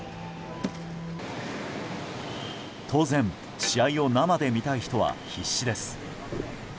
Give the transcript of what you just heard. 当然、試合を生で見たい人は必死です。